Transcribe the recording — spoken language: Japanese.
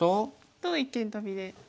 と一間トビで。